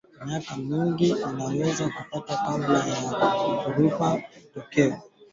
Miaka mingi inaweza kupita kabla ya mkurupuko kutokea